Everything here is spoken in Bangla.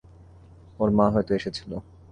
ওর মা হয়তো এসেছিল।